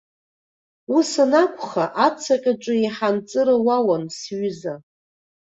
Ус анакәха, ацаҟьаҿы еиҳа анҵыра уауан, сҩыза!